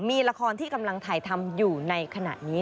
มีละครที่กำลังถ่ายทำอยู่ในขณะนี้